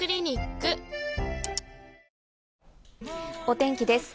お天気です。